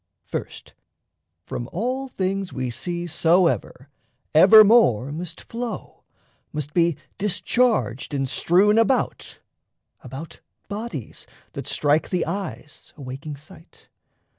First, from all things We see soever, evermore must flow, Must be discharged and strewn about, about, Bodies that strike the eyes, awaking sight.